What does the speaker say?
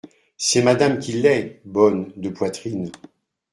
C’est Madame qui l’est, bonne… de poitrine…